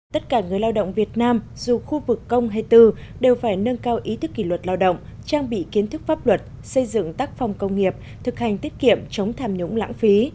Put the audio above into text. tất cả người lao động việt nam dù khu vực công hay tư đều phải nâng cao ý thức kỷ luật lao động trang bị kiến thức pháp luật xây dựng tác phong công nghiệp thực hành tiết kiệm chống tham nhũng lãng phí